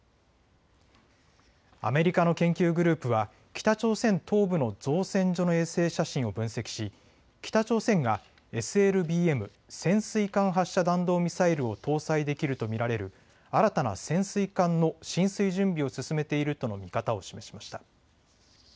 アメリカの研究グループは北朝鮮東部の造船所の衛星写真を分析し北朝鮮がＳＬＢＭ・潜水艦発射弾道ミサイルを搭載できると見られる新たな潜水艦の進水準備を進めているとの見方を示しました。